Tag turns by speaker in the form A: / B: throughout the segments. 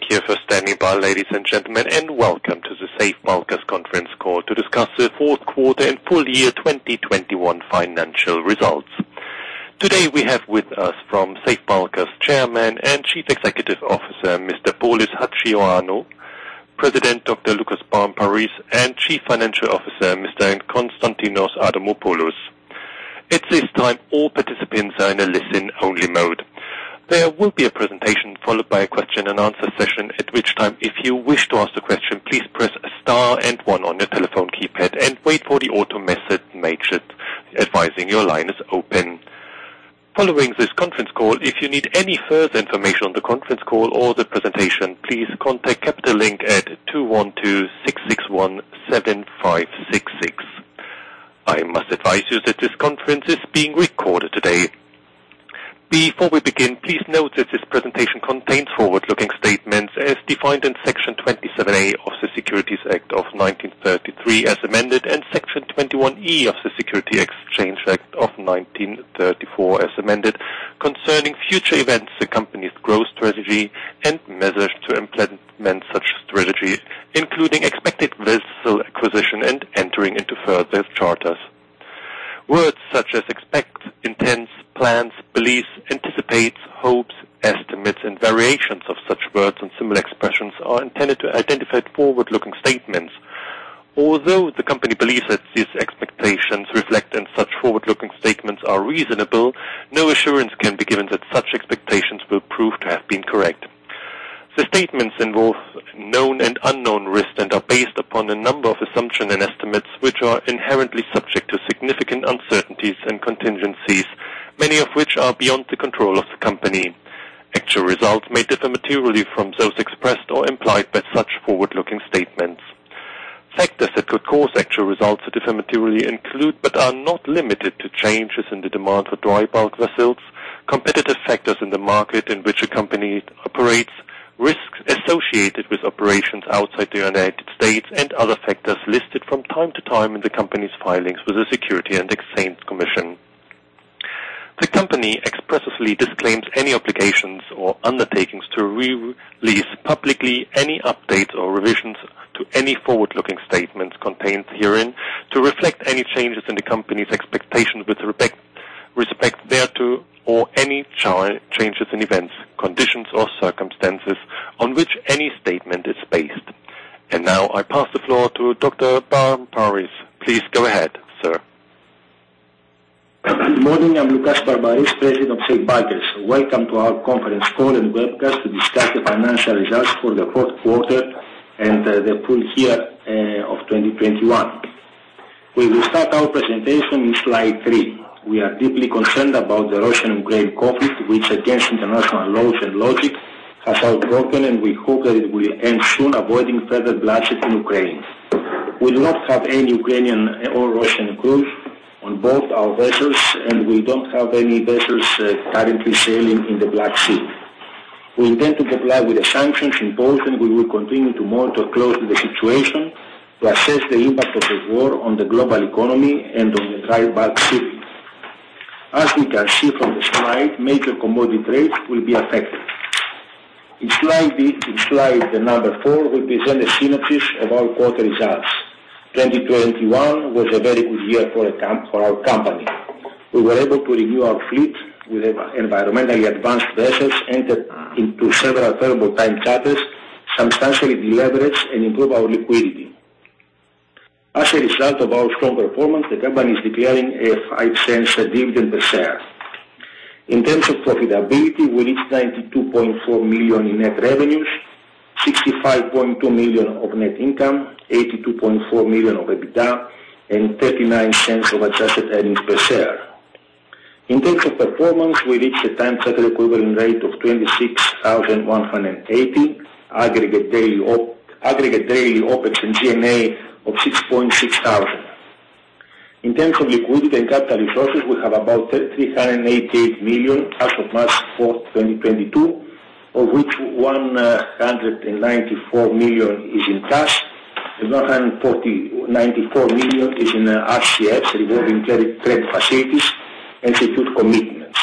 A: Thank you for standing by, ladies and gentlemen, and welcome to the Safe Bulkers conference call to discuss the fourth quarter and full year 2021 financial results. Today we have with us from Safe Bulkers Chairman and Chief Executive Officer, Mr. Polys Hajioannou, President, Dr. Loukas Barmparis, and Chief Financial Officer, Mr. Konstantinos Adamopoulos. At this time, all participants are in a listen-only mode. There will be a presentation followed by a question-and-answer session. At which time, if you wish to ask a question, please press star and one on your telephone keypad and wait for the auto message advising your line is open. Following this conference call, if you need any further information on the conference call or the presentation, please contact Capital Link at 212-661-7566. I must advise you that this conference is being recorded today. Before we begin, please note that this presentation contains forward-looking statements as defined in Section 27A of the Securities Act of 1933 as amended, and Section 21E of the Securities Exchange Act of 1934 as amended concerning future events, the company's growth strategy, and measures to implement such strategy, including expected vessel acquisition and entering into further charters. Words such as expect, intend, plans, believes, anticipates, hopes, estimates, and variations of such words and similar expressions are intended to identify forward-looking statements. Although the company believes that these expectations reflect and such forward-looking statements are reasonable, no assurance can be given that such expectations will prove to have been correct. The statements involve known and unknown risks and are based upon a number of assumptions and estimates, which are inherently subject to significant uncertainties and contingencies, many of which are beyond the control of the company. Actual results may differ materially from those expressed or implied by such forward-looking statements. Factors that could cause actual results to differ materially include, but are not limited to, changes in the demand for dry bulk vessels, competitive factors in the market in which a company operates, risks associated with operations outside the United States, and other factors listed from time to time in the company's filings with the Securities and Exchange Commission. The company expressly disclaims any obligations or undertakings to re-release publicly any updates or revisions to any forward-looking statements contained herein to reflect any changes in the company's expectations with respect thereto or any changes in events, conditions or circumstances on which any statement is based. Now I pass the floor to Dr. Barmparis. Please go ahead, sir.
B: Good morning. I'm Loukas Barmparis, President of Safe Bulkers. Welcome to our conference call and webcast to discuss the financial results for the fourth quarter and the full year of 2021. We will start our presentation in slide 3. We are deeply concerned about the Russian-Ukrainian conflict, which, against international laws and logic, has broken hearts, and we hope that it will end soon avoiding further bloodshed in Ukraine. We do not have any Ukrainian or Russian crew on board our vessels, and we don't have any vessels currently sailing in the Black Sea. We intend to comply with the sanctions imposed, and we will continue to monitor closely the situation to assess the impact of the war on the global economy and on the dry bulk shipping. As we can see from the slide, major commodity rates will be affected. In slide number four, we present a synopsis of our quarter results. 2021 was a very good year for our company. We were able to renew our fleet with environmentally advanced vessels, enter into several time charters, substantially deleverage, and improve our liquidity. As a result of our strong performance, the company is declaring a $0.05 dividend per share. In terms of profitability, we reached $92.4 million in net revenues, $65.2 million of net income, $82.4 million of EBITDA, and $0.39 of adjusted earnings per share. In terms of performance, we reached a time charter equivalent rate of $26,180, aggregate daily OpEx and G&A of $6,600. In terms of liquidity and capital resources, we have about $388 million as of March 4th, 2022, of which $194 million is in cash, and $194 million is in RCFs, revolving credit facilities and secured commitments.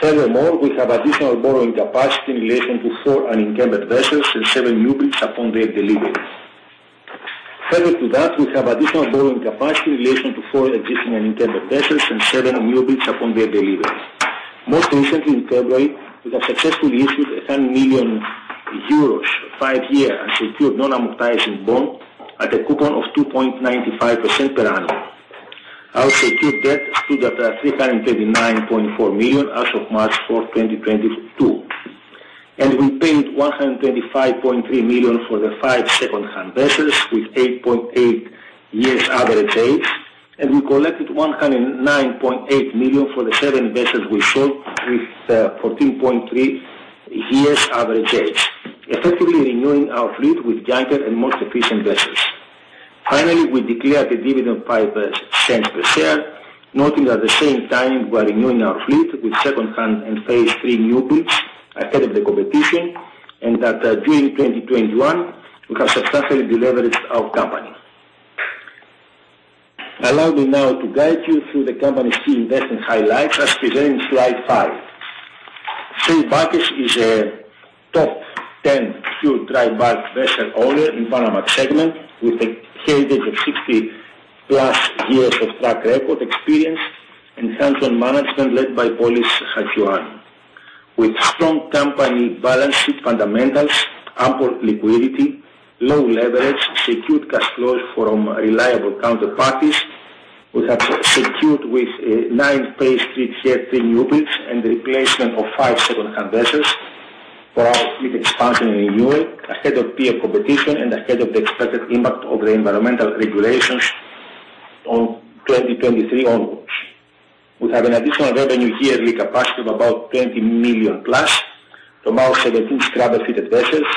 B: Furthermore, we have additional borrowing capacity in relation to four unencumbered vessels and seven newbuilds upon their delivery. Further to that, we have additional borrowing capacity in relation to four existing and unencumbered vessels and seven newbuilds upon their delivery. Most recently in February, we have successfully issued 10 million euros five-year unsecured non-amortizing bond at a coupon of 2.95% per annum. Our secured debt stood at $339.4 million as of March 4th, 2022, and we paid $125.3 million for the five secondhand vessels with 8.8 years average age, and we collected $109.8 million for the seven vessels we sold with 14.3 years average age, effectively renewing our fleet with younger and most efficient vessels. Finally, we declared a dividend $0.05 per share, noting at the same time we are renewing our fleet with secondhand and Phase 3 newbuilds ahead of the competition and that, during 2021 we have substantially deleveraged our company. Allow me now to guide you through the company's key investment highlights as presented in slide five. Safe Bulkers is a top 10 pure dry bulk vessel owner in Panamax segment, with a heritage of 60+ years of track record experience and hands-on management led by Polys Hajioannou. With strong company balance sheet fundamentals, ample liquidity, low leverage, secured cash flows from reliable counterparties. We have secured nine Phase 3 pre-newbuilds and the replacement of five second-hand vessels for our fleet expansion and renewal ahead of peer competition and ahead of the expected impact of the environmental regulations on 2023 onwards. We have an additional revenue yearly capacity of about $20+ million from our 17 scrubber-fitted vessels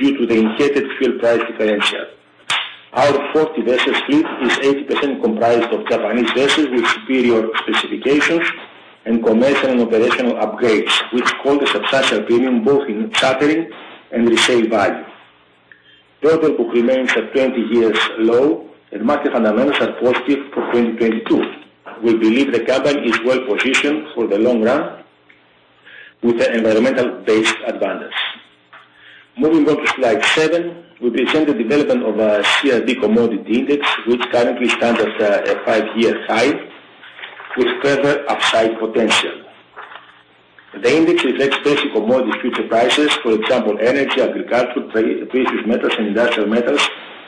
B: due to the indicated fuel price differential. Our 40-vessel fleet is 80% comprised of Japanese vessels with superior specifications and commercial and operational upgrades, which command a substantial premium both in chartering and resale value. Order book remains at 20-year low and market fundamentals are positive for 2022. We believe the company is well-positioned for the long run with an environmental-based advantage. Moving on to slide 7, we present the development of our CRB Commodity Index, which currently stands at a five-year high with further upside potential. The index reflects basic commodity future prices. For example, energy, agriculture, precious metals and industrial metals,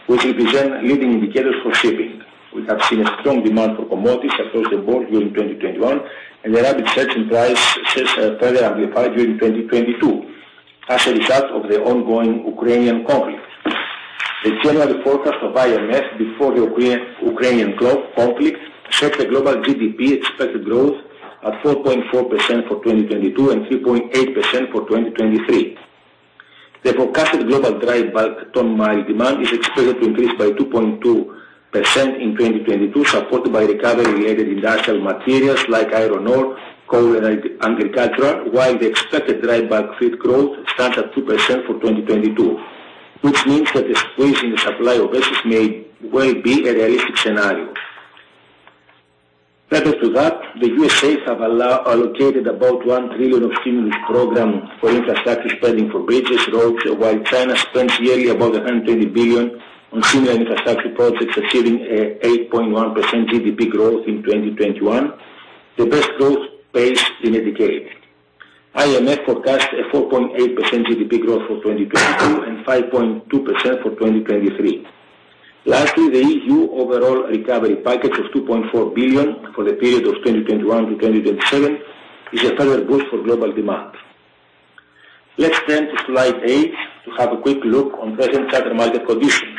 B: which represent leading indicators for shipping. We have seen a strong demand for commodities across the board during 2021 and the rapid surge in price since further amplified during 2022 as a result of the ongoing Ukrainian conflict. The general forecast of IMF before the Ukrainian conflict set the global GDP expected growth at 4.4% for 2022 and 3.8% for 2023. The forecasted global dry bulk ton-mile demand is expected to increase by 2.2% in 2022, supported by recovery in industrial materials like iron ore, coal and agricultural while the expected dry bulk fleet growth stands at 2% for 2022, which means that the squeeze in the supply of vessels may well be a realistic scenario. Further to that, the U.S. have allocated about $1 trillion of stimulus program for infrastructure spending for bridges, roads, while China spends yearly about $120 billion on similar infrastructure projects, achieving a 8.1% GDP growth in 2021, the best growth pace in a decade. IMF forecast a 4.8% GDP growth for 2022 and 5.2% for 2023. Lastly, the E.U. overall recovery package of 2.4 billion for the period of 2021-2027 is a further boost for global demand. Let's turn to slide 8 to have a quick look on present charter market conditions.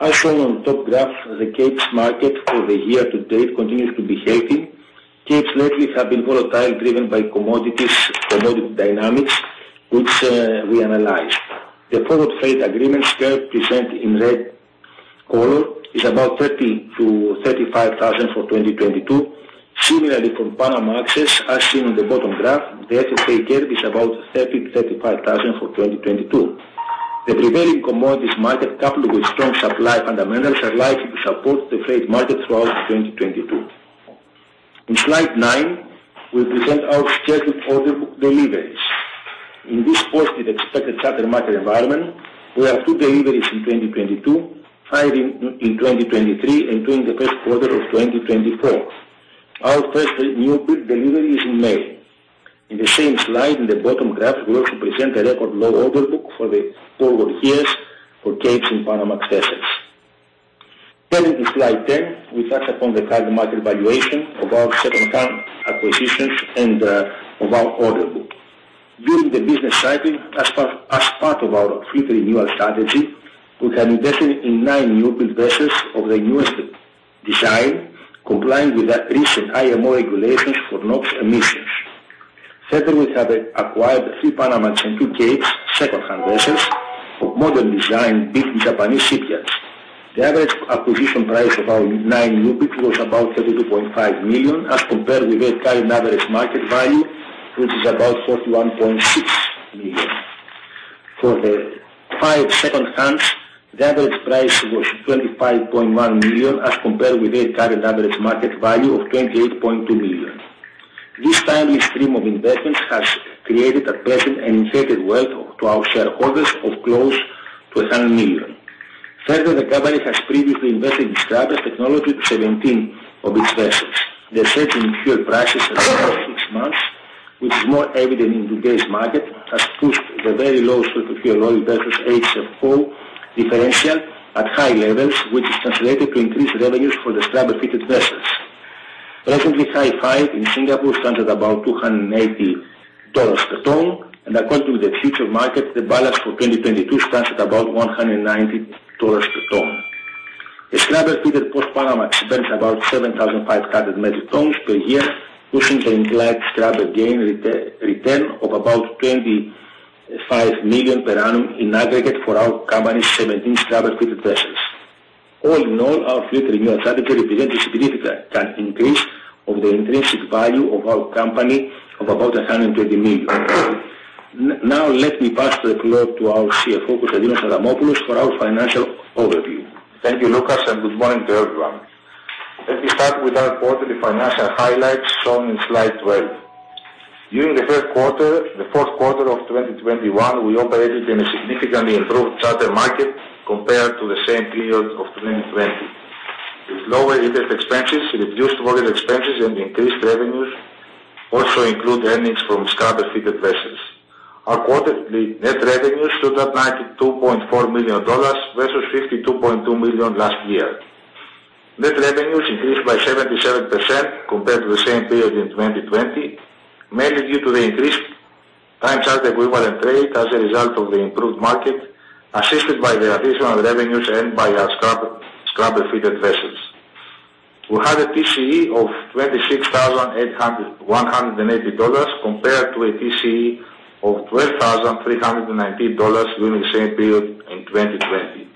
B: As shown on top graph, the Capesize market for the year-to-date continues to be healthy. Capesize lately have been volatile, driven by commodities, commodity dynamics which we analyzed. The forward freight agreement curve presented in red color is about $30,000-$35,000 for 2022. Similarly for Panamax, as seen on the bottom graph, the FFA curve is about $30,000-$35,000 for 2022. The prevailing commodities market, coupled with strong supply fundamentals, are likely to support the freight market throughout 2022. In slide 9, we present our scheduled order book deliveries. In this positive expected charter market environment, we have two deliveries in 2022, five in 2023 and two in the first quarter of 2024. Our first newbuild delivery is in May. In the same slide in the bottom graph, we also present a record low order book for the forward years for Capes and Panamax vessels. Turning to slide 10, we touch upon the current market valuation of our second-hand acquisitions and of our order book. During the business cycle as part of our fleet renewal strategy, we have invested in 9 newbuild vessels of the newest design, complying with the recent IMO regulations for NOx emissions. Further, we have acquired three Panamax and two Capes second-hand vessels of modern design built in Japanese shipyards. The average acquisition price of our nine newbuilds was about $32.5 million as compared with their current average market value, which is about $41.6 million. For the five second-hands, the average price was $25.1 million as compared with their current average market value of $28.2 million. This timely stream of investments has created a present and embedded wealth to our shareholders of close to $100 million. Further, the company has previously invested in scrubber technology to 17 of its vessels. The surge in fuel prices over the past six months, which is more evident in today's market, has pushed the very low sulfur fuel oil versus HFO differential at high levels, which is translated to increased revenues for the scrubber-fitted vessels. Recently, Hi-5 in Singapore stands at about $280 per ton and according to the futures market, the balance for 2022 stands at about $190 per ton. A scrubber-fitted Post-Panamax spends about 7,500 metric tons per year, pushing the implied scrubber gain net return of about $25 million per annum in aggregate for our company's 17 scrubber-fitted vessels. All in all, our fleet renewal strategy represents a significant increase of the intrinsic value of our company of about $120 million. Now let me pass the floor to our CFO, Konstantinos Adamopoulos for our financial overview.
C: Thank you, Loukas, and good morning to everyone. Let me start with our quarterly financial highlights shown in slide 12. During the fourth quarter of 2021, we operated in a significantly improved charter market compared to the same period of 2020. With lower interest expenses, reduced model expenses, and increased revenues that also include earnings from scrubber-fitted vessels. Our quarterly net revenues stood at $92.4 million versus $52.2 million last year. Net revenues increased by 77% compared to the same period in 2020, mainly due to the increased time charter equivalent rate as a result of the improved market, assisted by the additional revenues and by our scrubber-fitted vessels. We had a TCE of $26,818 compared to a TCE of $12,319 during the same period in 2020.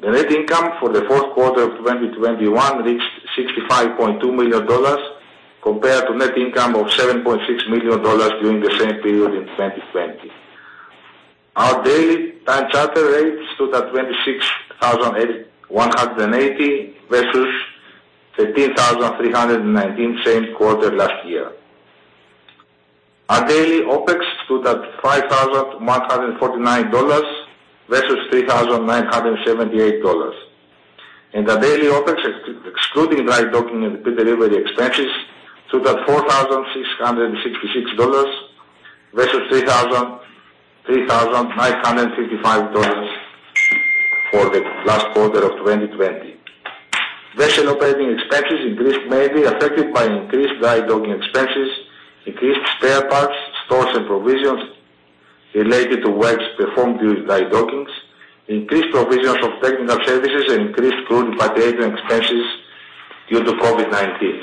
C: The net income for the fourth quarter of 2021 reached $65.2 million compared to net income of $7.6 million during the same period in 2020. Our daily time charter rates stood at $26,818 versus $13,319 same quarter last year. Our daily OpEx stood at $5,149 versus $3,978. The daily OpEx excluding dry docking and pre-delivery expenses stood at $4,666 versus $3,955 for the last quarter of 2020. Vessel operating expenses increased, mainly affected by increased drydocking expenses, increased spare parts, stores and provisions related to works performed during drydockings, increased provisions of technical services, and increased crew and pay expenses due to COVID-19.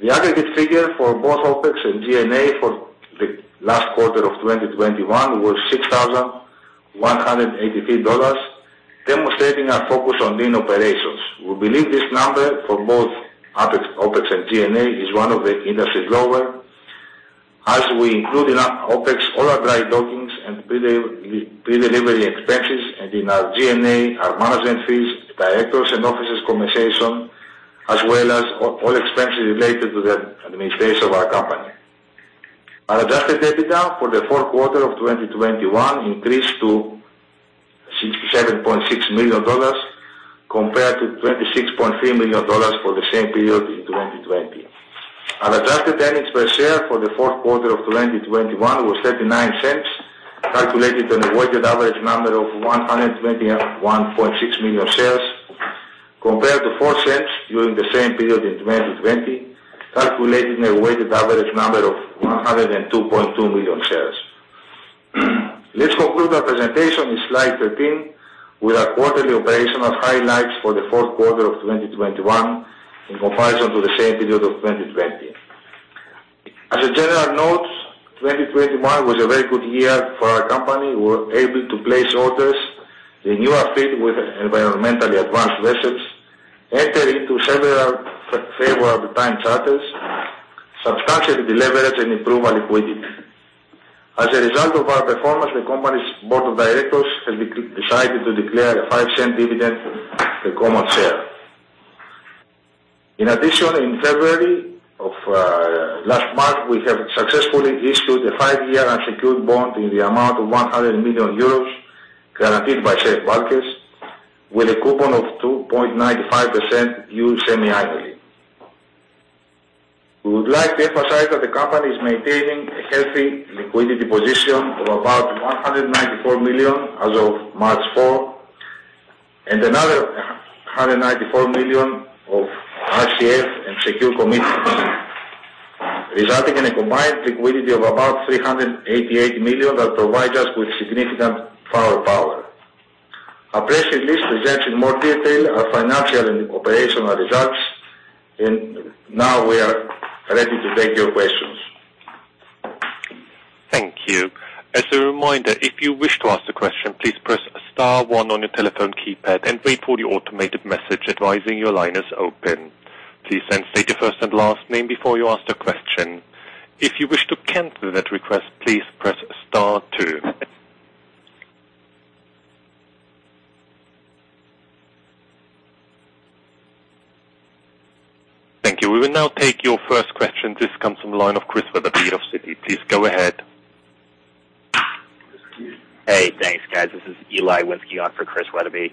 C: The aggregate figure for both OpEx and G&A for the last quarter of 2021 was $6,183, demonstrating our focus on lean operations. We believe this number for both OpEx and G&A is one of the industry's lowest as we include in our OpEx all our drydockings and pre-delivery expenses and in our G&A, our management fees, directors' and officers' compensation as well as all expenses related to the administration of our company. Our Adjusted EBITDA for the fourth quarter of 2021 increased to $67.6 million compared to $26.3 million for the same period in 2020. Our adjusted earnings per share for the fourth quarter of 2021 was $0.39, calculated on a weighted average number of 121.6 million shares compared to $0.04 during the same period in 2020, calculated in a weighted average number of 102.2 million shares. Let's conclude our presentation in slide 13 with our quarterly operational highlights for the fourth quarter of 2021 in comparison to the same period of 2020. As a general note, 2021 was a very good year for our company. We were able to place orders, renew our fleet with environmentally advanced vessels, enter into several favorable time charters, substantially deleverage and improve our liquidity. As a result of our performance, the company's board of directors has decided to declare a $0.05 dividend per common share. In addition, in February of last month, we have successfully issued a five-year unsecured bond in the amount of 100 million euros, guaranteed by Safe Bulkers with a coupon of 2.95% due semi-annually. We would like to emphasize that the company is maintaining a healthy liquidity position of about $194 million as of March 4, and another $194 million of RCF and secured commitments, resulting in a combined liquidity of about $388 million that provide us with significant firepower. Our press release presents in more detail our financial and operational results and now we are ready to take your questions.
A: Thank you. We will now take your first question. This comes from the line of Chris Wetherbee from Citi. Please go ahead.
D: Hey, thanks, guys. This is Eli Winski on for Chris Wetherbee.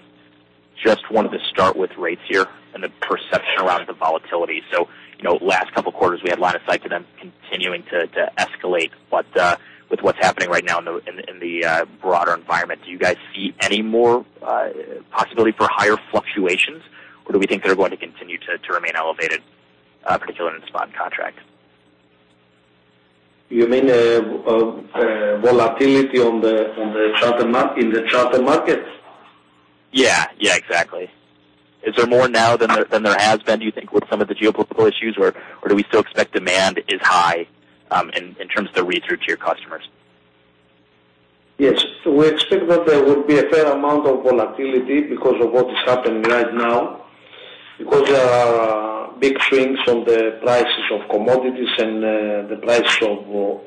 D: Just wanted to start with rates here and the perception around the volatility. You know, last couple quarters we had a lot of excitement continuing to escalate. With what's happening right now in the broader environment, do you guys see any more possibility for higher fluctuations or do we think they're going to continue to remain elevated, particularly in the spot contracts?
C: You mean, volatility in the charter markets?
D: Yeah. Yeah, exactly. Is there more now than there has been, do you think with some of the geopolitical issues or do we still expect demand is high, in terms of the read through to your customers?
E: Yes. We expect that there will be a fair amount of volatility because of what is happening right now because there are big swings in the prices of commodities and the price of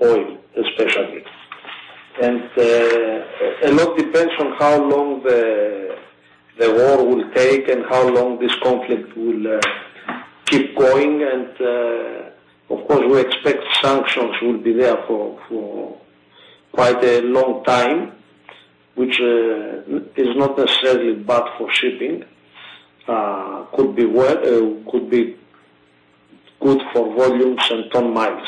E: oil especially. A lot depends on how long the war will take and how long this conflict will keep going. Of course, we expect sanctions will be there for quite a long time, which is not necessarily bad for shipping. It could be good for volumes and ton-miles.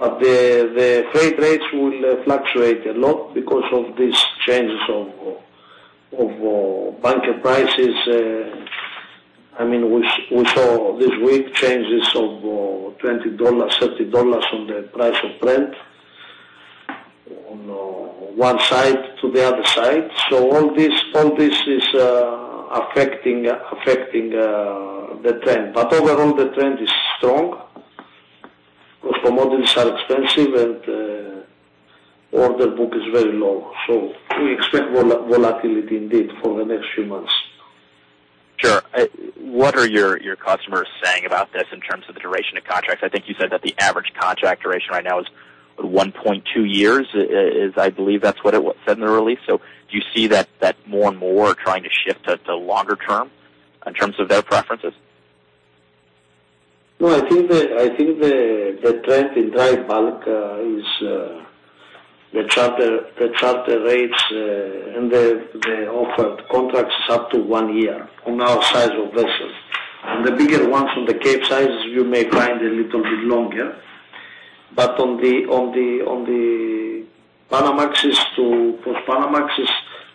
E: The freight rates will fluctuate a lot because of these changes in bunker prices. I mean, we saw this week changes of $20, $30 on the price of Brent on one side to the other side. All this is affecting the trend. Overall the trend is strong because commodities are expensive and order book is very low. We expect volatility indeed for the next few months.
D: Sure. What are your customers saying about this in terms of the duration of contracts? I think you said that the average contract duration right now is 1.2 years. I believe that's what it said in the release. Do you see that more and more are trying to shift to longer term in terms of their preferences?
E: No, I think the trend in dry bulk is the charter rates and the offered contracts is up to one year on our size of vessels. On the bigger ones, on the Capesize, you may find a little bit longer. On the Panamax to Post-Panamax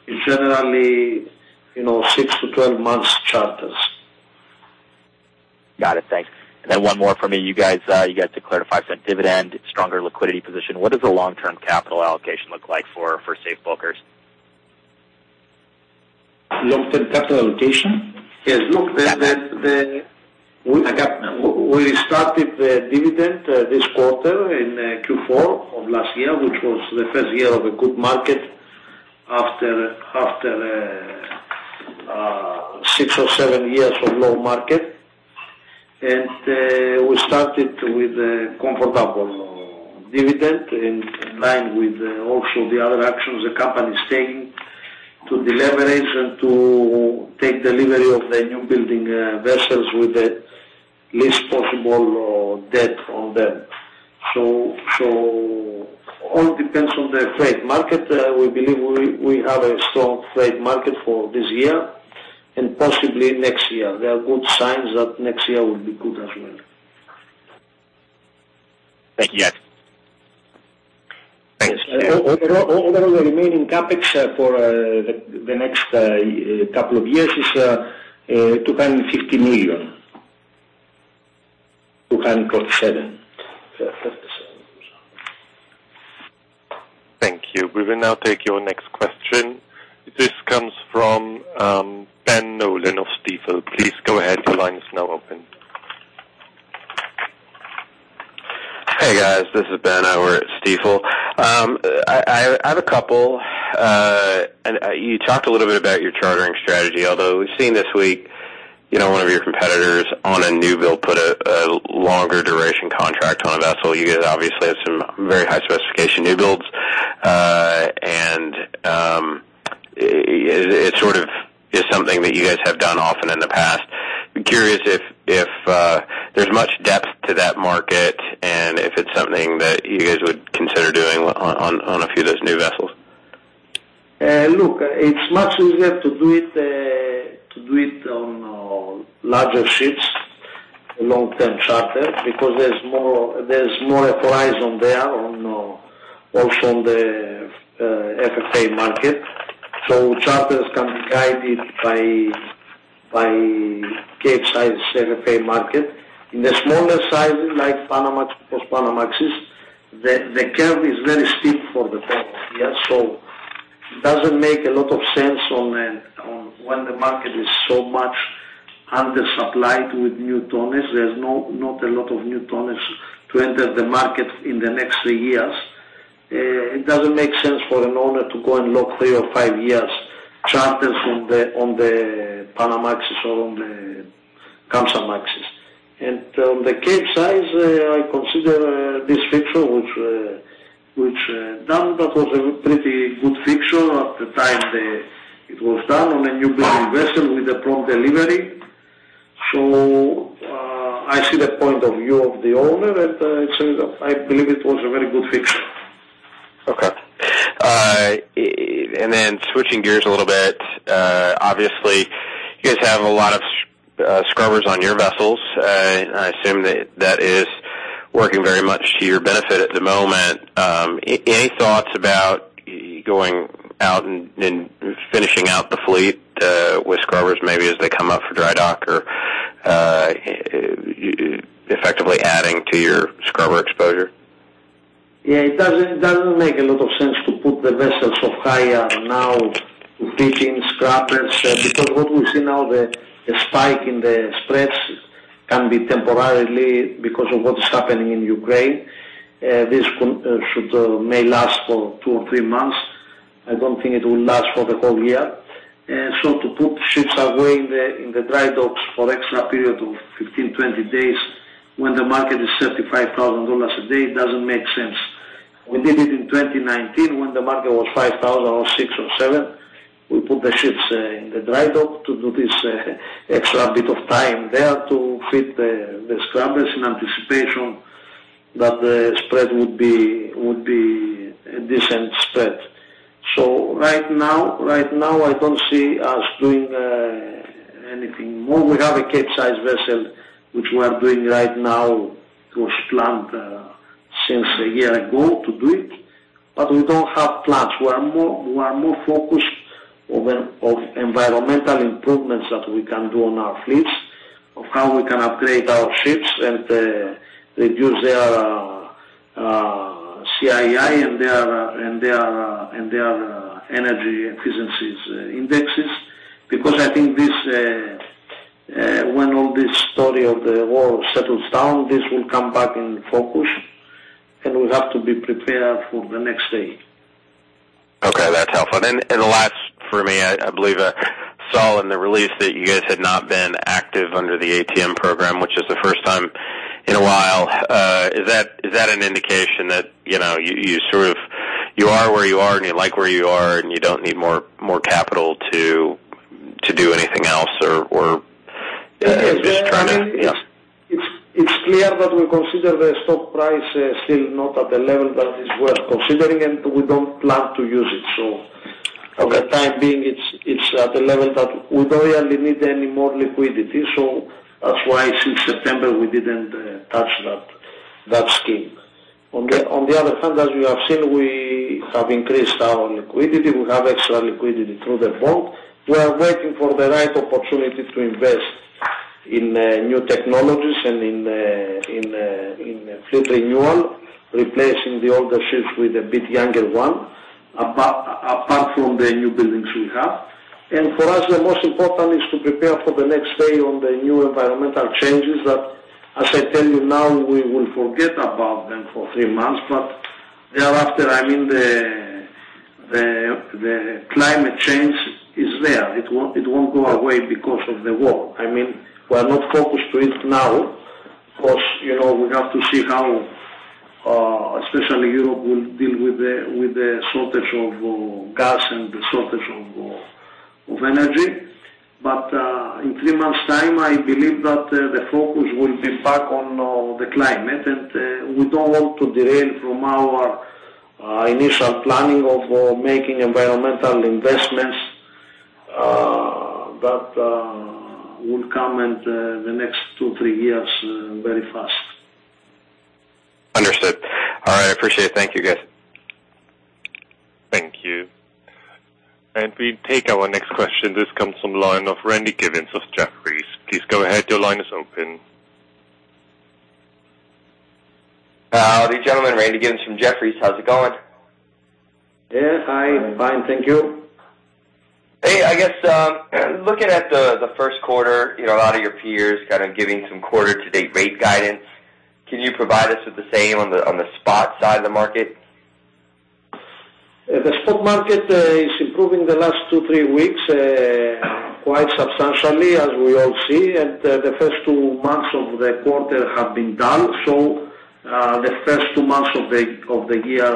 E: is generally, you know, 6-12 months charters.
D: Got it. Thanks. One more for me. You guys declared a $0.05 dividend, stronger liquidity position. What does the long-term capital allocation look like for Safe Bulkers?
E: Long-term capital allocation? Yes. Look, we started the dividend this quarter in Q4 of last year, which was the first year of a good market after six or seven years of low market. We started with a comfortable dividend in line with also the other actions the company is taking to deleverage and to take delivery of the newbuilding vessels with the least possible debt on them. All depends on the freight market. We believe we have a strong freight market for this year and possibly next year. There are good signs that next year will be good as well.
D: Thank you, guys. Thanks.
E: All the remaining CapEx for the next couple of years is $250 million. $247 million.
A: Thank you. We will now take your next question. This comes from Ben Nolan of Stifel. Please go ahead. Your line is now open.
F: Hey, guys, this is Ben Nolan over at Stifel. I have a couple. You talked a little bit about your chartering strategy, although we've seen this week, you know, one of your competitors on a new build put a longer duration contract on a vessel. You guys obviously have some very high specification new builds. It sort of is something that you guys have done often in the past. I'm curious if there's much depth to that market and if it's something that you guys would consider doing on a few of those new vessels.
E: Look, it's much easier to do it on larger ships, long-term charter because there's more upside there, also on the FFA market. Charters can be guided by Capesize FFA market. In the smaller sizes like Panamax, Post-Panamax, the curve is very steep for the ton-year. It doesn't make a lot of sense when the market is so much undersupplied with new tonners. There's not a lot of new tonners to enter the market in the next 3 years. It doesn't make sense for an owner to go and lock 3- or 5-year charters on the Panamax or on the Kamsarmax. On the Capesize, I consider this fixture, which was done, that was a pretty good fixture at the time that it was done on a newbuilding vessel with a prompt delivery. I see the point of view of the owner, and I say that I believe it was a very good fix.
F: Okay. Switching gears a little bit, obviously you guys have a lot of on your vessels. I assume that is working very much to your benefit at the moment. Any thoughts about going out and then finishing out the fleet with scrubbers maybe as they come up for dry dock or effectively adding to your scrubber exposure?
E: It doesn't make a lot of sense to put the vessels off hire now to fit the scrubbers, because what we see now, the spike in the spreads can be temporary because of what is happening in Ukraine. This conflict may last for 2 or 3 months. I don't think it will last for the whole year. To put ships away in the dry docks for extra period of 15-20 days when the market is $35,000 a day doesn't make sense. We did it in 2019 when the market was $5,000 or $6,000 or $7,000. We put the ships in the dry dock to do this extra bit of time there to fit the scrubbers in anticipation that the spread would be a decent spread. Right now I don't see us doing anything more. We have a Capesize vessel which we are doing right now. It was planned since a year ago to do it, but we don't have plans. We are more focused on environmental improvements that we can do on our fleets, of how we can upgrade our ships and reduce their CII and their energy efficiency indices because I think when all this story of the war settles down, this will come back in focus and we have to be prepared for the next day.
F: Okay, that's helpful. The last for me, I believe I saw in the release that you guys had not been active under the ATM program which is the first time in a while. Is that an indication that, you know, you sort of are where you are and you like where you are and you don't need more capital to do anything else or just trying to-
E: It's clear that we consider the stock price still not at the level that is worth considering and we don't plan to use it. For the time being it's at a level that we don't really need any more liquidity. That's why since September we didn't touch that scheme. On the other hand, as you have seen we have increased our liquidity. We have extra liquidity through the bank. We are waiting for the right opportunity to invest in new technologies and in fleet renewal, replacing the older ships with a bit younger one, apart from the new buildings we have. For us the most important is to prepare for the next day on the new environmental changes that as I tell you now, we will forget about them for three months. Thereafter, I mean the climate change is there. It won't go away because of the war. I mean, we are not focused on now because, you know, we have to see how especially Europe will deal with the shortage of gas and the shortage of energy. In three months time I believe that the focus will be back on the climate and we don't want to derail from our initial planning of making environmental investments that will come in the next two, three years very fast.
F: Understood. All right, I appreciate it. Thank you guys.
A: Thank you. We take our next question. This comes from the line of Randy Giveans of Jefferies. Please go ahead. Your line is open.
G: Good morning, gentlemen. Randy Giveans from Jefferies. How's it going?
E: Yes, hi. Fine, thank you.
G: Hey, I guess, looking at the first quarter, you know, a lot of your peers kind of giving some quarter to date rate guidance. Can you provide us with the same on the spot side of the market?
E: The spot market is improving the last 2-3 weeks quite substantially as we all see. The first 2 months of the quarter have been done. The first 2 months of the year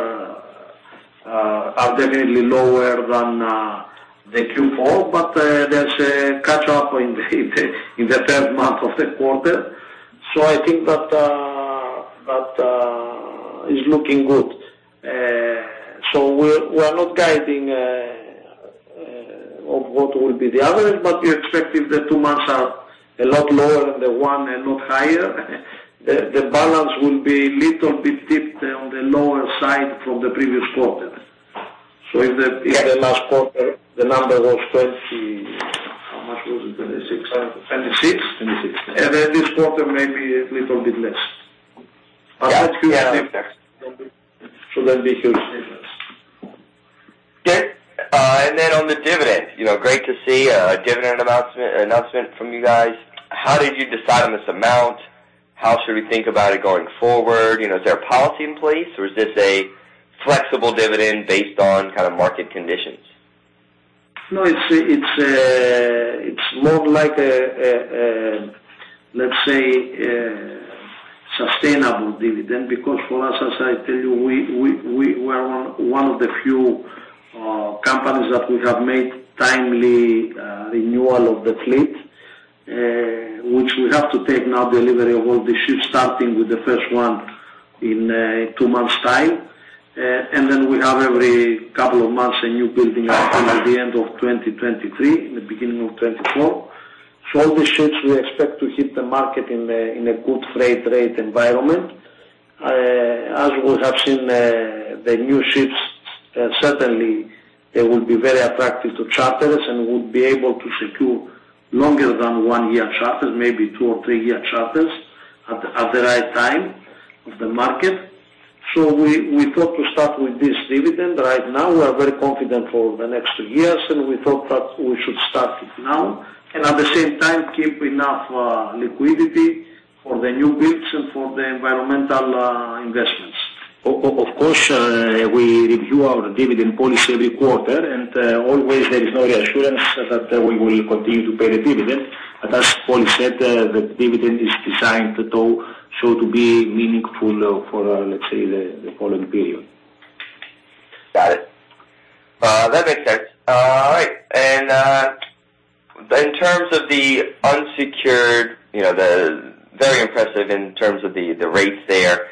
E: are definitely lower than the Q4. There's a catch up in the third month of the quarter. I think that is looking good. We're not guiding of what will be the average but we're expecting the 2 months are a lot lower than the one and not higher. The balance will be a little bit tipped on the lower side from the previous quarter. In the last quarter the number was 26.
G: Twenty-six.
E: 26. This quarter may be a little bit less.
G: Yeah.
E: Shouldn't be huge difference.
G: Okay. And then on the dividend, you know, great to see a dividend announcement from you guys. How did you decide on this amount? How should we think about it going forward? You know, is there a policy in place or is this a flexible dividend based on kind of market conditions?
E: No, it's more like let's say a sustainable dividend because for us as I tell you we were one of the few companies that we have made timely renewal of the fleet, which we have to take now delivery of all the ships starting with the first one in two months time. We have every couple of months a new building at the end of 2023, in the beginning of 2024. All these ships we expect to hit the market in a good freight rate environment. As we have seen, the new ships certainly they will be very attractive to charters and would be able to secure longer than one-year charters, maybe two or three-year charters at the right time of the market. We thought to start with this dividend right now. We are very confident for the next two years, and we thought that we should start it now and at the same time keep enough liquidity for the new builds and for the environmental investments.
B: Of course, we review our dividend policy every quarter, and there is no assurance that we will continue to pay the dividend. As Paul said, the dividend is designed so to be meaningful for, let's say, the following period.
G: Got it. That makes sense. All right. In terms of the unsecured, you know, the very impressive in terms of the rates there.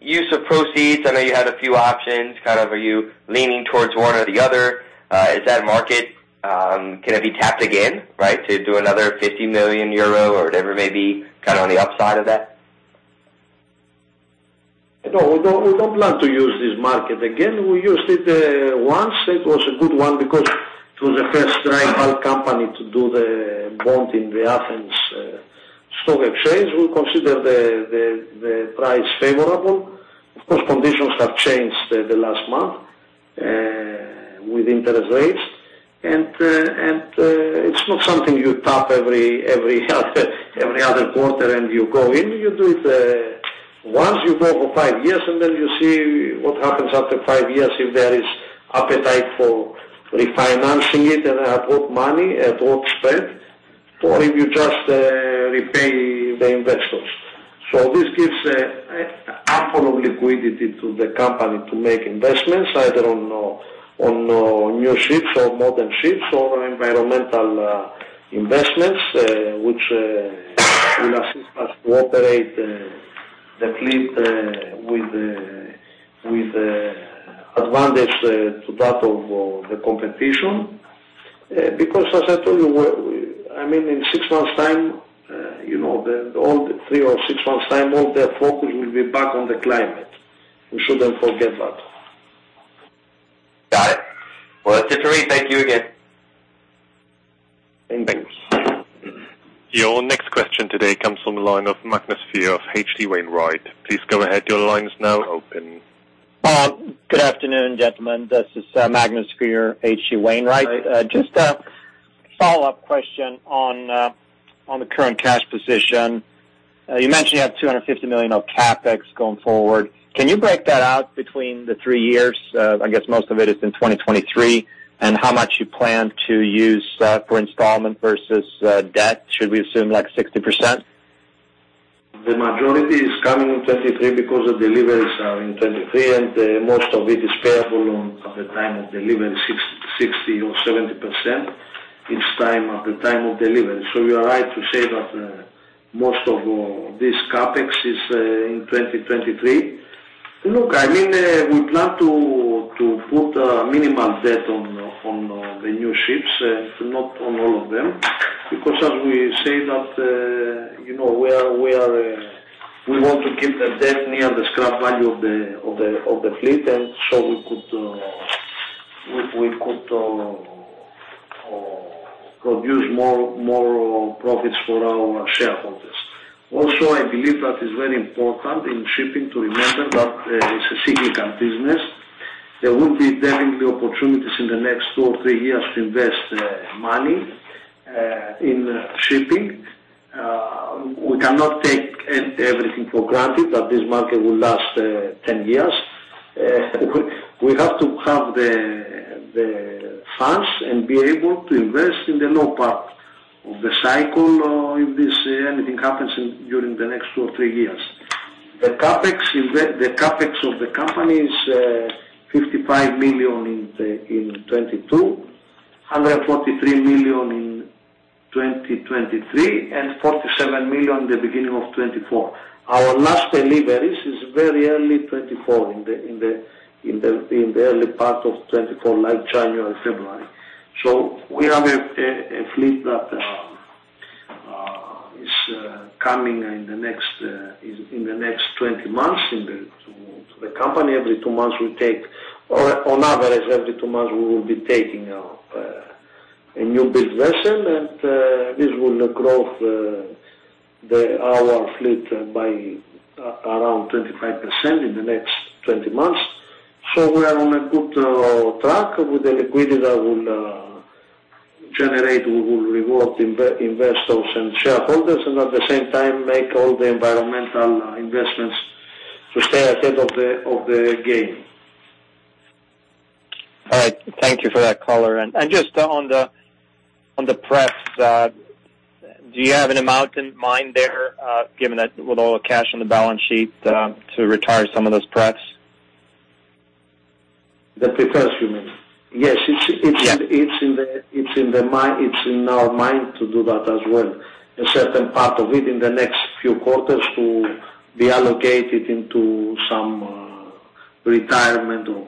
G: Use of proceeds, I know you had a few options. Kind of, are you leaning towards one or the other? Is that a market that can be tapped again, right, to do another 50 million euro or whatever it may be, kind of on the upside of that?
E: No, we don't plan to use this market again. We used it once. It was a good one because it was the first time our company to do the bond in the Athens Stock Exchange. We consider the price favorable. Of course, conditions have changed the last month with interest rates. It's not something you tap every half every other quarter and you go in. You do it once you go for five years, and then you see what happens after five years if there is appetite for refinancing it and at what money, at what spread, or if you just repay the investors. This gives ample liquidity to the company to make investments either on new ships or modern ships or environmental investments, which will assist us to operate the fleet with the advantage to that of the competition. Because as I told you, I mean, in three or six months' time, you know, all the focus will be back on the climate. We shouldn't forget that.
G: Got it. Well, Dimitri, thank you again.
E: Thanks.
A: Your next question today comes from the line of Magnus Fyhr of H.C. Wainwright. Please go ahead. Your line is now open.
H: Good afternoon, gentlemen. This is Magnus Fyhr, H.C. Wainwright. Just a follow-up question on the current cash position. You mentioned you have $250 million of CapEx going forward. Can you break that out between the three years? I guess most of it is in 2023. How much you plan to use for installment versus debt? Should we assume like 60%?
E: The majority is coming in 2023 because the deliveries are in 2023, and most of it is payable on at the time of delivery, 60%-70% each time at the time of delivery. You are right to say that most of this CapEx is in 2023. Look, I mean, we plan to put minimal debt on the new ships, not on all of them. Because as we say that, you know, we want to keep the debt near the scrap value of the fleet, and so we could produce more profits for our shareholders. Also, I believe that is very important in shipping to remember that it's a significant business. There will be definitely opportunities in the next two or three years to invest money in shipping. We cannot take everything for granted that this market will last 10 years. We have to have the funds and be able to invest in the low part of the cycle if anything happens during the next two or three years. The CapEx of the company is $55 million in 2022, $143 million in 2023, and $47 million the beginning of 2024. Our last deliveries is very early 2024 in the early part of 2024, like January or February. We have a fleet that is coming in the next 20 months to the company. On average, every two months we will be taking a newbuild vessel and this will grow our fleet by around 25% in the next 20 months. We are on a good track with the liquidity that will generate. We will reward investors and shareholders and at the same time make all the environmental investments to stay ahead of the game.
H: All right. Thank you for that color. Just on the pref's, do you have an amount in mind there, given that with all the cash on the balance sheet to retire some of those pref's?
E: The prefs you mean? Yes.
H: Yeah.
E: It's in our mind to do that as well. A certain part of it in the next few quarters to be allocated into some retirement of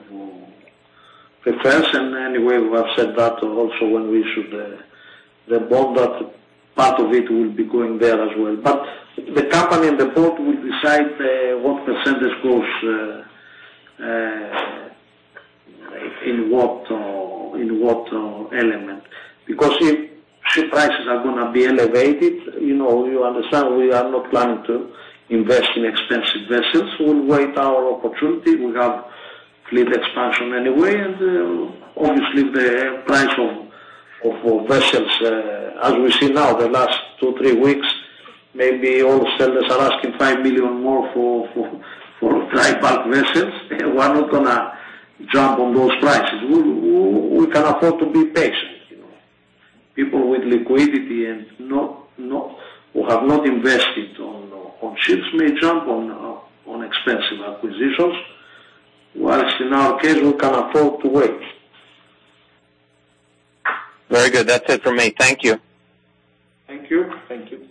E: the prefs. Anyway, we have said that also when we issued the bond that part of it will be going there as well. The company and the board will decide what percentage goes.
B: In what element. Because if ship prices are gonna be elevated, you know, you understand we are not planning to invest in expensive vessels. We'll wait our opportunity. We have fleet expansion anyway. Obviously the price of vessels, as we see now the last two, three weeks, maybe all sellers are asking $5 million more for dry bulk vessels. We're not gonna jump on those prices. We can afford to be patient, you know. People with liquidity and not who have not invested on ships may jump on expensive acquisitions. Whilst in our case, we can afford to wait.
H: Very good. That's it for me. Thank you.
B: Thank you.
E: Thank you.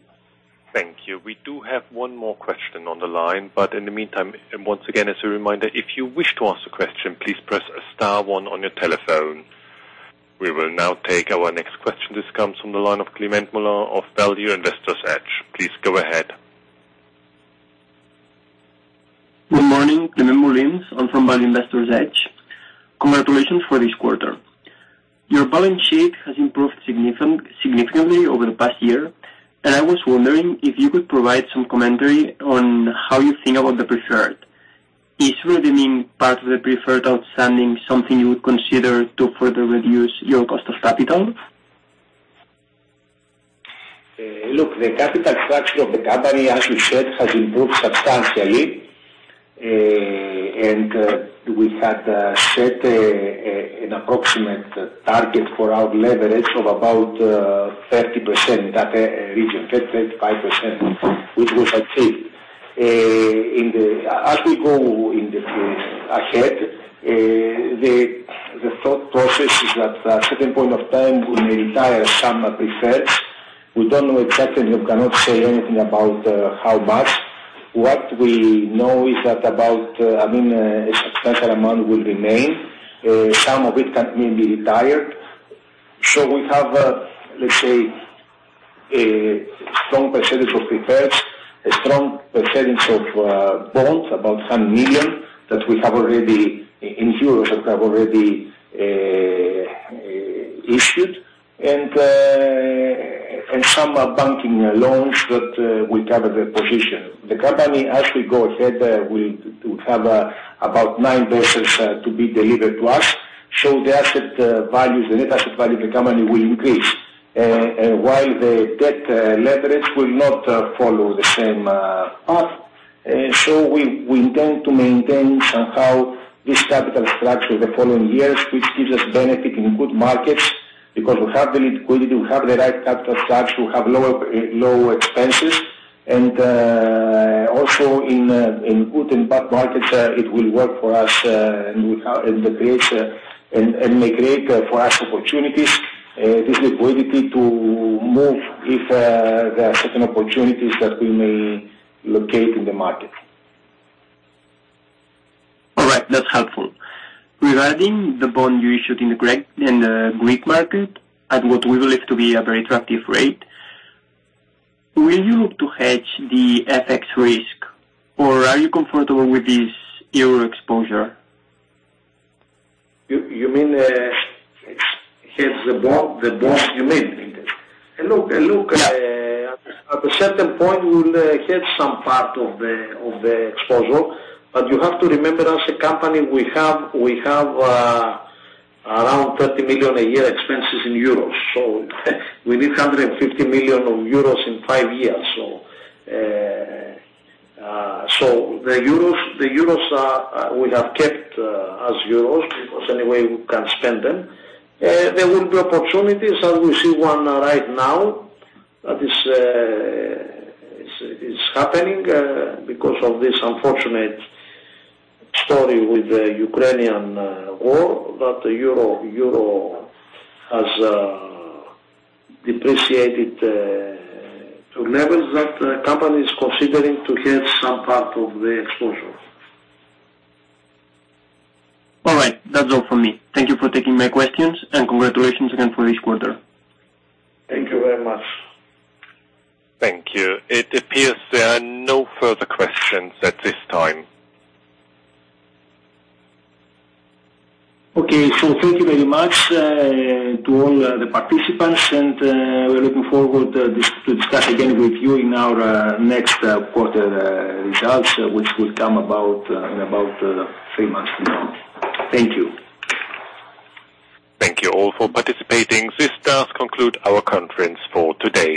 A: Thank you. We do have one more question on the line, but in the meantime, and once again as a reminder, if you wish to ask a question, please press star one on your telephone. We will now take our next question. This comes from the line of Climent Molins of Value Investor's Edge. Please go ahead.
I: Good morning. Climent Molins. I'm from Value Investors Edge. Congratulations for this quarter. Your balance sheet has improved significantly over the past year, and I was wondering if you could provide some commentary on how you think about the preferred. Is redeeming part of the preferred outstanding something you would consider to further reduce your cost of capital?
B: Look, the capital structure of the company, as you said, has improved substantially. We had set an approximate target for our leverage of about 30%, that region 10%-35%, which was achieved. As we go in the future ahead, the thought process is that at a certain point of time we may retire some preferred. We don't know exactly and we cannot say anything about how much. What we know is that about, I mean, a substantial amount will remain. Some of it can maybe retired. We have, let's say a strong percentage of preferred, a strong percentage of bonds, about 100 million that we have already issued in euros, and some banking loans that will cover the position. The company, as we go ahead, we'll have about 9 vessels to be delivered to us. The asset values, the net asset value of the company will increase while the debt leverage will not follow the same path. We intend to maintain somehow this capital structure the following years, which gives us benefit in good markets because we have the liquidity, we have the right capital structure, we have low expenses. Also in good and bad markets, it will work for us and may create for us opportunities, this liquidity to move if there are certain opportunities that we may locate in the market.
I: All right. That's helpful. Regarding the bond you issued in the Greek market, at what we believe to be a very attractive rate, will you look to hedge the FX risk or are you comfortable with this euro exposure?
B: You mean hedge the bond? The bond you mean. Look, at a certain point we'll hedge some part of the exposure. You have to remember as a company, we have around 30 million a year expenses in euros. We need 150 million of euros in 5 years. The euros will be kept as euros because anyway we can spend them. There will be opportunities, and we see one right now that is happening because of this unfortunate story with the Ukrainian war, that the euro has depreciated to levels that the company is considering to hedge some part of the exposure.
I: All right. That's all for me. Thank you for taking my questions, and congratulations again for this quarter.
B: Thank you very much.
A: Thank you. It appears there are no further questions at this time.
B: Thank you very much to all the participants, and we're looking forward to discuss again with you in our next quarter results, which will come about in about three months from now. Thank you.
A: Thank you all for participating. This does conclude our conference for today.